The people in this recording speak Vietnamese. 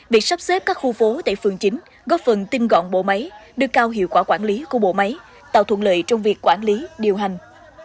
việc sắp xếp các khu phố tại phường chín góp phần tinh gọn bộ máy đưa cao hiệu quả quản lý của bộ máy tạo thuận lợi trong việc quản lý điều hành